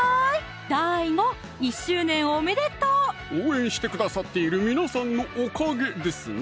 はいはい応援してくださっている皆さんのおかげですな